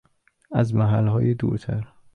از محلهای دورتر